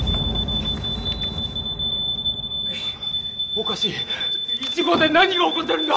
おかしい１号で何が起こってるんだ？